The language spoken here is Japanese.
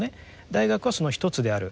大学はその一つである。